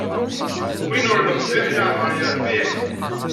Win ur neqbiḥ leɛmeṛ irbiḥ.